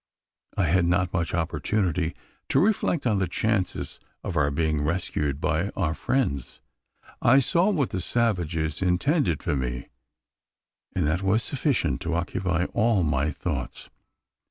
I had not much opportunity to reflect on the chances of our being rescued by our friends. I saw what the savages intended for me; and that was sufficient to occupy all my thoughts.